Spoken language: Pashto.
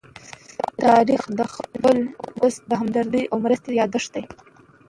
تاریخ د خپل ولس د همدردۍ او مرستې يادښت دی.